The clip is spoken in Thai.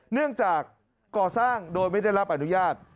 เนื่องจากก่อสร้างโดยไม่ได้รับอนุญาต